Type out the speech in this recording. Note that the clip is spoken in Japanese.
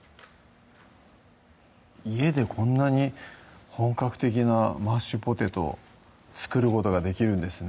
家でこんなに本格的なマッシュポテト作ることができるんですね